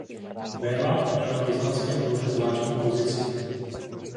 Béla měl na byzantském dvoře zvláštní pozici.